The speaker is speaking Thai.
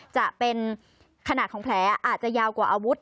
จะเป็นขนาดของแผลอาจจะยาวกว่าอาวุธ